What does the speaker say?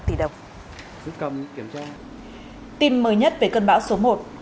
tin mới nhất về cơn bão số một